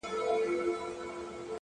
شاوخوا ټولي سيمي’